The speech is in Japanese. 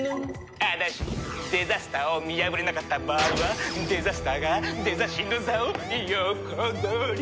ただしデザスターを見破れなかった場合はデザスターがデザ神の座を横取り！